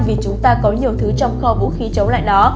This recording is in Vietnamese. vì chúng ta có nhiều thứ trong kho vũ khí chống lại nó